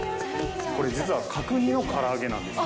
これ、実は角煮の唐揚げなんですよ。